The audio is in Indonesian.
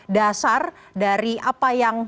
dasar dari apa yang